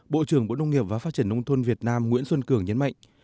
bộ trưởng bộ nông nghiệp và phát triển nông thôn việt nam nguyễn xuân cường nhấn mạnh